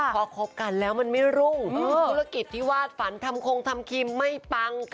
พอคบแล้วจะไม่รุ่งก็ธุระกริจที่วาดฝันทำโครงทำครีมยังไม่ปัง